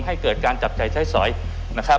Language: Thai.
ให้เกิดการจับจ่ายใช้สอยนะครับ